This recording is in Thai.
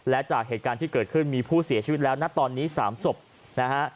และจากเหตุการณ์ที่เกิดขึ้นมีผู้เสียชีวิตแล้วนะตอนนี้๓ศพนะฮะ